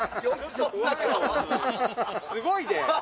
すごいで！